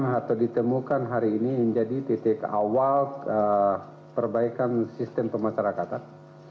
yang harus ditemukan hari ini menjadi titik awal perbaikan sistem pemasyarakatan